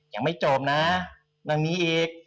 ยังไม่โจมนะนางนี้อีก